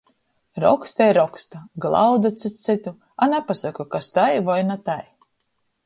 Roksta i roksta, glauda cyts cytu, a napasoka, kas tai voi na tai.